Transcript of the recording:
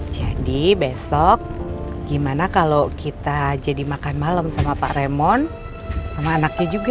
jadi besok gimana kalau kita jadi makan malem sama pak remon sama anaknya juga